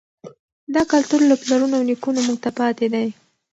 دا کلتور له پلرونو او نیکونو موږ ته پاتې دی.